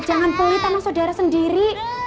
jangan polita sama sodara sendiri